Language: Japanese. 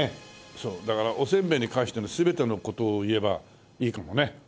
そうだからおせんべいに関しての全ての事を言えばいいかもね。